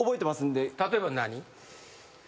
例えば何？